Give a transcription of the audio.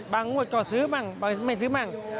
บางมุดก็ซื้อบ้างบางมุดไม่ซื้อบ้าง